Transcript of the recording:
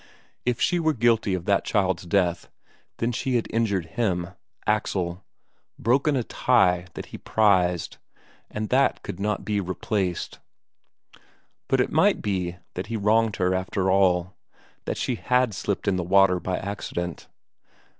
If she were guilty of that child's death, then she had injured him, Axel broken a tie that he prized, and that could not be replaced. But it might be that he wronged her, after all: that she had slipped in the water by accident.